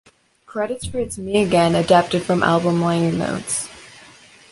Credits for It's Me Again adapted from album liner notes.